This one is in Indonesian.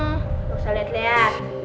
nggak usah liat liat